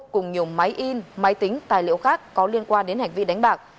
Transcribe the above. cùng nhiều máy in máy tính tài liệu khác có liên quan đến hành vi đánh bạc